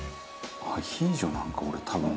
「アヒージョなんか俺多分」